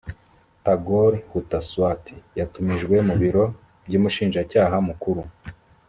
tagor hutasoit yatumijwe mu biro by umushinjacyaha mukuru